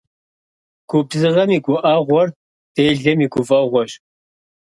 Губзыгъэм и гуӀэгъуэр делэм и гуфӀэгъуэщ.